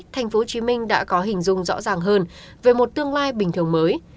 tp hcm đã có hình dung rõ ràng hơn về một tương lai bình thường mới